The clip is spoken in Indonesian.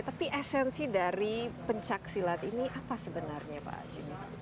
tapi esensi dari pencaksilat ini apa sebenarnya pak jimmy